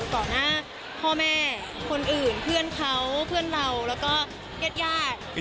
หน้าพ่อแม่คนอื่นเพื่อนเขาเพื่อนเราแล้วก็ญาติญาติ